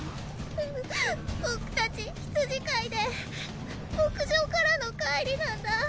ううっ僕たち羊飼いで牧場からの帰りなんだ。